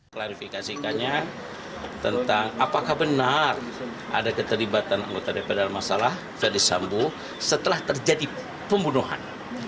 klarifikasikannya tentang apakah benar ada keterlibatan anggota dpr dalam masalah ferdis sambo setelah terjadi pembunuhan